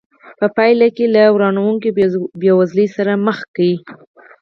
په پایله کې له ورانوونکې بېوزلۍ سره مخ کړ.